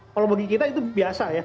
kalau bagi kita itu biasa ya